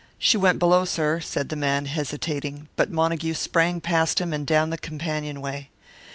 "She went below, sir," said the man, hesitating; but Montague sprang past him and down the companionway.